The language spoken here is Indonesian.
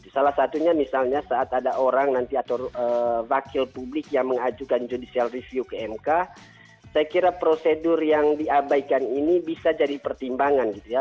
salah satunya misalnya saat ada orang nanti atau wakil publik yang mengajukan judicial review ke mk saya kira prosedur yang diabaikan ini bisa jadi pertimbangan gitu ya